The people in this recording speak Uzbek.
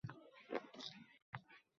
Boshqa chorasi bordir axir